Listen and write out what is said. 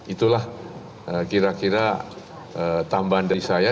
itulah kira kira tambahan dari saya